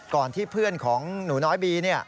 ก่อนที่เพื่อนของหนูน้อยบี